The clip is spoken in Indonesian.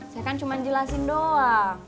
saya kan cuma jelasin doang